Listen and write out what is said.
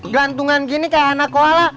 berantungan gini kayak anak koala